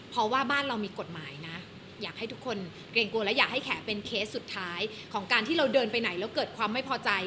เพราะว่าบ้านเรามีกฎหมายนะอยากให้ทุกคนเกรงกลัวและอยากให้แขเป็นเคสสุดท้ายของการที่เราเดินไปไหนแล้วเกิดความไม่พอใจ